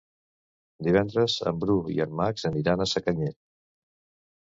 Divendres en Bru i en Max aniran a Sacanyet.